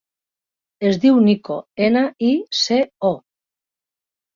Es diu Nico: ena, i, ce, o.